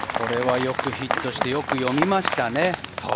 よくヒットして、よく読みましたね。